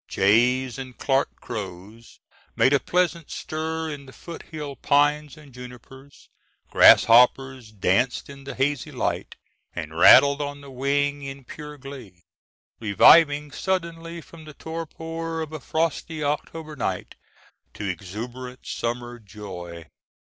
Jays and Clarke crows made a pleasant stir in the foothill pines and junipers; grasshoppers danced in the hazy light, and rattled on the wing in pure glee, reviving suddenly from the torpor of a frosty October night to exuberant summer joy.